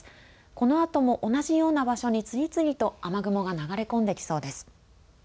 このあとも同じような場所に次々と雨雲が流れ込んできそうです。